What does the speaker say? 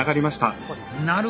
なるほど。